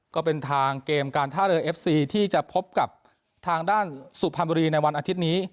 ก็เป็นทางเกมการท่าเรือเอฟซีที่จะพบกับทางด้านสุพรรณบุรีในวันอาทิตย์นี้